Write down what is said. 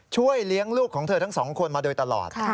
ช่วยเลี้ยงลูกของเธอทั้งสองคนมาโดยตลอด